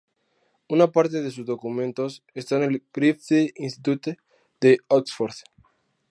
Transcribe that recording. Una parte de sus documentos está en el "Griffith Institute" de Oxford.